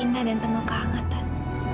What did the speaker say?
cantik dan penuh kehangatan